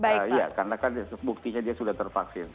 iya karena kan buktinya dia sudah tervaksin